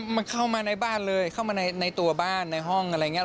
มันเข้ามาในบ้านเลยเข้ามาในตัวบ้านในห้องอะไรอย่างนี้